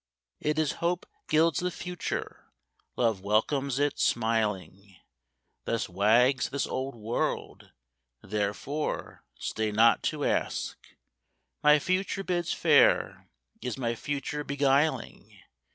It is Hope gilds the future, Love welcomes it smiling; Thus wags this old world, therefore stay not to ask,— "My future bids fair, is my future beguiling?"